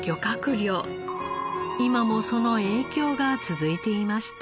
今もその影響が続いていました。